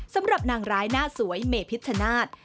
สำหรับนางร้ายหน้าสวยเมพิชชนาธิ์